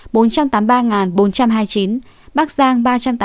bắc giang ba trăm tám mươi ba bốn trăm hai mươi chín